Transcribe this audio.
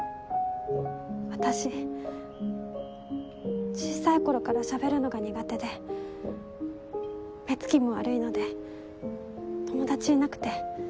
私小さい頃からしゃべるのが苦手で目つきも悪いので友達いなくて。